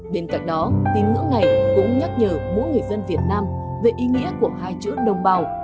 bên cạnh đó tín ngưỡng này cũng nhắc nhở mỗi người dân việt nam về ý nghĩa của hai chữ đồng bào